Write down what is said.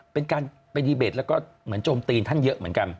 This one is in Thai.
เป็นการไปดีเบตแล้วก็เหมือนโจมตีนท่านเยอะเหมือนกัน